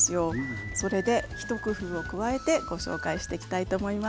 それで一工夫を加えてご紹介してきたいと思います。